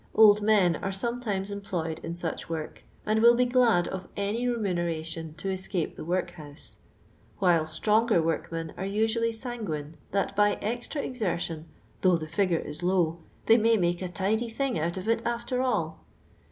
Uld men are sonietimes emplo^ ed in such work, and will be glad of any remuneration tj escape the wnrkhouse; while stronger workmen are usually sanguine that by extra exertion, *' though the figure is low, they may make a tidy thing out of it aft<?r all."